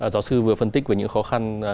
giáo sư vừa phân tích về những khó khăn